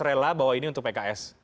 rela bahwa ini untuk pks